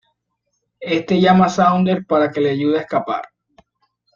Este llama a Saunders para que le ayude a escapar.